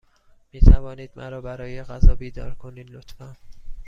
می توانید مرا برای غذا بیدار کنید، لطفا؟